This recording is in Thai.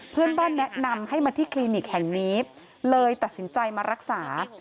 เพื่อนบ้านแนะนำให้มาที่คลินิกแห่งนี้เลยตัดสินใจมารักษา